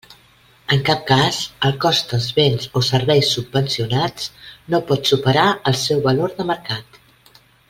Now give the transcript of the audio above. En cap cas, el cost dels béns o serveis subvencionats no pot superar el seu valor de mercat.